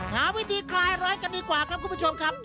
หาวิธีคลายร้อนกันดีกว่าครับคุณผู้ชมครับ